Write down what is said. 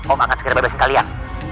om akan segera bebasin kalian